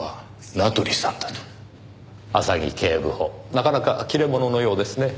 なかなか切れ者のようですね。